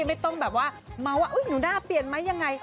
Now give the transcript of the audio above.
ไม่ต้องมาว่าหนูน่าเปลี่ยนมั้ยยังไง